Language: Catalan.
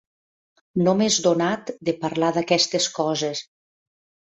No m'és donat de parlar d'aquestes coses.